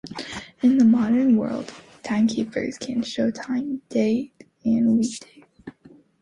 In the modern world, timekeepers can show time, date and weekday.